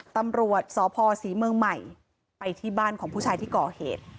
ตำรวจสพศรีเมืองใหม่ไปที่บ้านของผู้ชายที่ก่อเหตุ